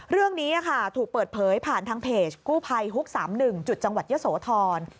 เรื่องนี้ถูกเปิดเผยผ่านทางเพจกู้ภัยฮุก๓๑จุดจังหวัดเยอะโสธร